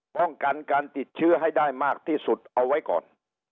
ป้องกันการติดเชื้อให้ได้มากที่สุดเอาไว้ก่อน